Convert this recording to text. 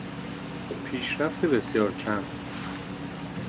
پیشرفت بسیار کم